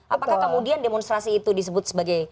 apakah kemudian demonstrasi itu disebut sebagai